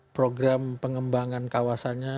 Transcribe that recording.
program pengembangan kawasannya